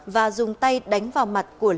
và dùng tay đánh vào mặt của long